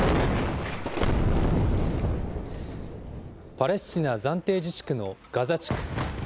パレスチナ暫定自治区のガザ地区。